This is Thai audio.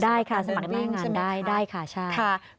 ได้ค่ะสมัครหน้างานได้ใช่ไหมคะใช่ค่ะสมัครเดินวิ่งใช่ไหมคะ